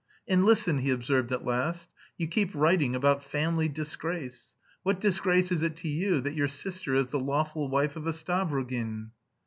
"And listen," he observed at last, "you keep writing about 'family disgrace.' What disgrace is it to you that your sister is the lawful wife of a Stavrogin?"